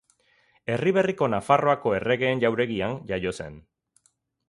Erriberriko Nafarroako Erregeen Jauregian jaio zen.